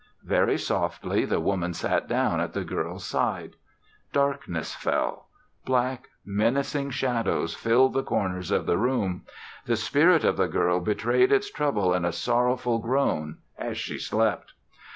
Very softly, the woman sat down at the girl's side. Darkness fell. Black, menacing shadows filled the corners of the room. The spirit of the girl betrayed its trouble in a sorrowful groan as she slept.